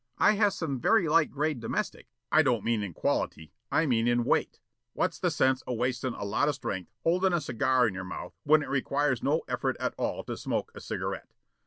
"I have some very light grade domestic " "I don't mean in quality. I mean in weight. What's the sense of wastin' a lot of strength holding a cigar in your mouth when it requires no effort at all to smoke a cigarette?